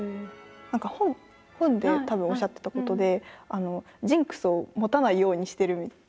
何か本でたぶんおっしゃってたことで「ジンクスを持たないようにしてる」みたいな。